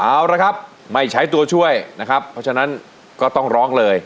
เอาละครับไม่ใช้ตัวช่วยนะครับเพราะฉะนั้นก็ต้องร้องเลย